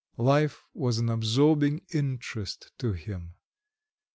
Life was of absorbing interest to him.